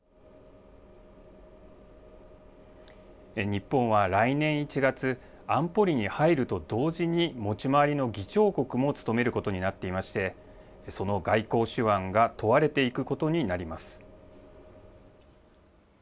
日本は来年１月、安保理に入ると同時に、持ち回りの議長国も務めることになっていまして、その外交手腕が問われていくことになります。